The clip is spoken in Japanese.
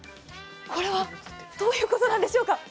これはどういうことなんでしょうか？